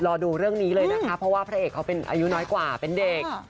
รอดูเรื่องนี้เลยนะคะเพราะว่าพระเอกเขาเป็นอายุน้อยกว่าเป็นเด็ก